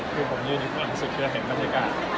คือผมยืนอีกครั้งสุดเพื่อเห็นร้านยากาศ